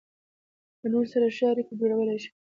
له نورو سره ښې اړيکې جوړولای شي.